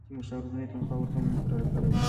تیمورشاه ورځنۍ تنخوا ورته مقرره کړې وه.